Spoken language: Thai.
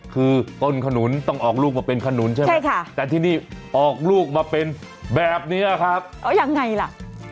คือต้นขนุนต้องออกลูกมาเป็นขนุนใช่ไหมใช่ค่ะแต่ที่นี่ออกลูกมาเป็นแบบนี้ครับอ๋อยังไงล่ะ